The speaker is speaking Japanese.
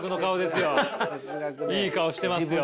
いい顔してますよ。